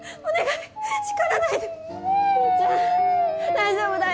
大丈夫だよ。